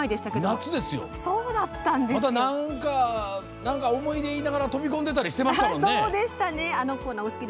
まだ、思い出言いながら飛び込んだりしてましたね。